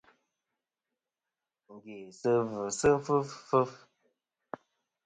Ngèsɨ-vɨ sɨ fɨf fɨf.